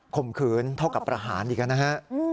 มขืนเท่ากับประหารอีกนะฮะ